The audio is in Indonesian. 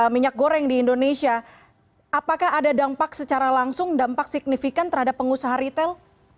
minyak goreng di indonesia apakah ada dampak secara langsung dampak signifikan terhadap pengusaha retail